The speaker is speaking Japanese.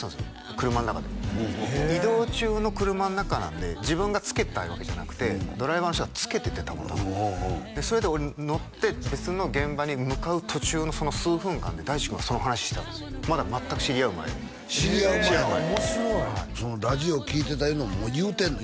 車の中で移動中の車の中なんで自分がつけたわけじゃなくてドライバーの人がつけててたまたまそれで俺乗って別の現場に向かう途中のその数分間で大知君がその話してたんですよまだ全く知り合う前へえ面白いそのラジオ聴いてたいうのも言うてんの？